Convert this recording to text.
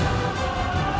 ini mah aneh